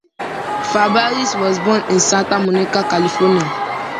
Fabares was born in Santa Monica, California.